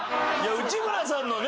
内村さんのね